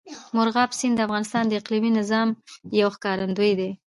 مورغاب سیند د افغانستان د اقلیمي نظام یو ښکارندوی دی.